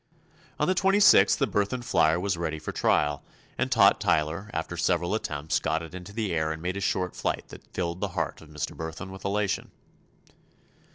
On the 26th the Burthon flyer was ready for trial, and Tot Tyler, after several attempts, got it into the air and made a short flight that filled the heart of Mr. Burthon with elation.